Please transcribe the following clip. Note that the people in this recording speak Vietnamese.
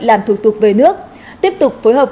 làm thủ tục về nước tiếp tục phối hợp